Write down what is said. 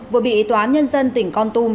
vừa bị ý toán nhân dân tỉnh con tum